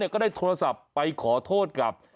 ก็ได้โทรศัพท์ไปขอโทษกับ